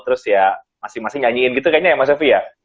terus ya masing masing nyanyiin gitu kayaknya ya mas sofi ya